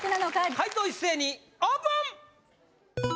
解答一斉にオープン！